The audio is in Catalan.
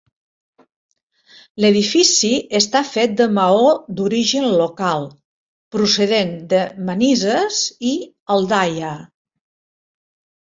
L'edifici està fet de maó d'origen local, procedent de Manises i Aldaia.